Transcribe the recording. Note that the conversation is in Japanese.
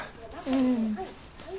うん。